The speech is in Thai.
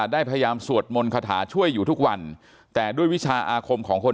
ได้พยายามสวดมนต์คาถาช่วยอยู่ทุกวันแต่ด้วยวิชาอาคมของคน